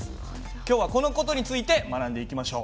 今日はこの事について学んでいきましょう。